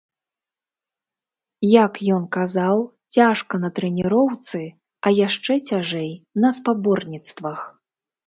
Як ён казаў, цяжка на трэніроўцы, а яшчэ цяжэй на спаборніцтвах.